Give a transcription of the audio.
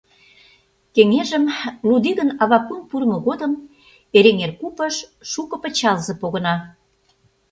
Кеҥежым, лудо игын авапун пурымо годым, Эреҥер купыш шуко пычалзе погына.